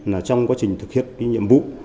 là trong quá trình thực hiện cái nhiệm vụ